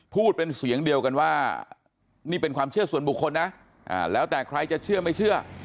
พูดเป็นเสียงเดียวกันว่านี่เป็นความเชื่อส่วนบุคคลนะแล้วแต่ใครจะเชื่อไม่เชื่อ